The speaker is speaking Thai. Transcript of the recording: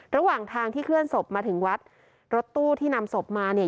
ระหว่างทางที่เคลื่อนศพมาถึงวัดรถตู้ที่นำศพมาเนี่ย